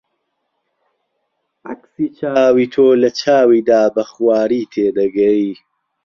عەکسی چاوی تۆ لە چاویدا بە خواری تێدەگەی